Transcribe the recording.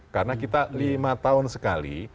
karena kita lima tahun sekali